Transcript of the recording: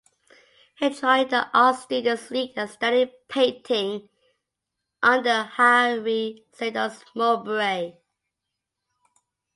He joined the Art Students League and studied painting under Harry Siddons Mowbray.